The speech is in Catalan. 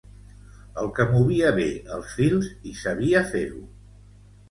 El que movia bé els fils i sabia fer-ho